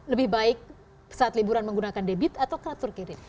lebih baik saat liburan menggunakan debit atau kartu kredit